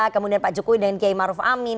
kemudian pak jokowi dan kiai maruf amin